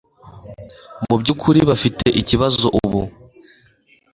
Mubyukuri bafite ikibazo ubu